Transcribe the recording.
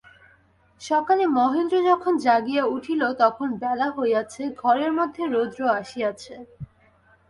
সকালে মহেন্দ্র যখন জাগিয়া উঠিল, তখন বেলা হইয়াছে, ঘরের মধ্যে রৌদ্র আসিয়াছে।